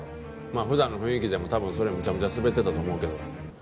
まあ普段の雰囲気でも多分それめちゃめちゃスベってたと思うけど。